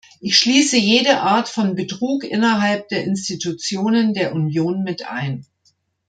Ich schließe jede Art von Betrug innerhalb der Institutionen der Union mit ein.